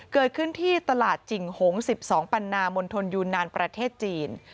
เกิดขึ้นที่ตลาดจิ่งหง๑๒ปันนามณฑลยูนานประเทศจีน